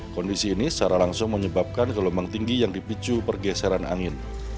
kondisi ini secara langsung menyebabkan gelombang tinggi yang dipicu pergeseran angin